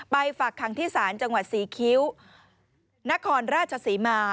ไปฝากคังที่สารจังหวัดสี่คิ้วนครราชสีมา